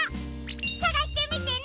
さがしてみてね！